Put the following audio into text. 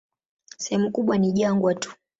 Sehemu kubwa ni jangwa tu.